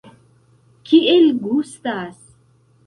Kiel gustas?